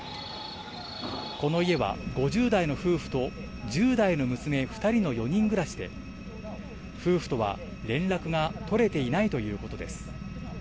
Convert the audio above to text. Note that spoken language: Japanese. この家は５０代の夫婦と１０代の娘２人の４人暮らしで、夫婦とは連絡が取れていないということです。